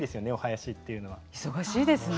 忙しいですね。